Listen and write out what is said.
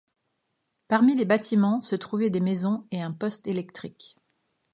Parmi les bâtiments se trouvaient des maisons et un poste électrique.